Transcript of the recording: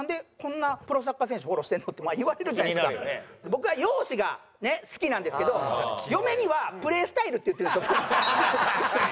僕は容姿が好きなんですけど嫁にはプレースタイルって言ってるんですよ。